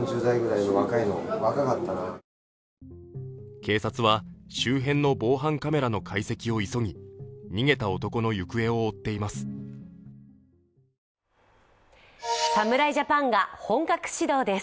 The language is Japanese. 警察は周辺の防犯カメラの解析を急ぎ、逃げた男の行方を追っています。